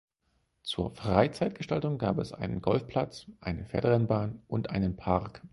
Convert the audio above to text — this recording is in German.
Zur Freizeitgestaltung gab einen Golfplatz, eine Pferderennbahn und einen Park.